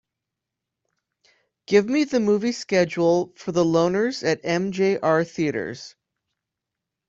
Give me the movie schedule for The Loners at MJR Theatres.